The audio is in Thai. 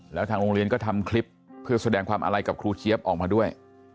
แล้วทางโรงเรียนก็ทำคลิปเพื่อแสดงความอาลัยกับครูเจี๊ยบออกมาด้วย